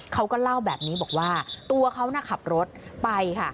เขาก็เล่าแบบนี้บอกว่าตัวเขาน่ะขับรถไปค่ะ